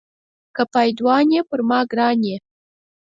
که پایدوان یې پر ما ګران یې.